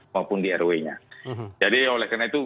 maupun di rw nya jadi oleh karena itu